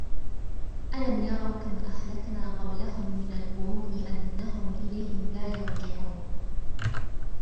أَلَم يَرَوا كَم أَهلَكنا قَبلَهُم مِنَ القُرونِ أَنَّهُم إِلَيهِم لا يَرجِعونَ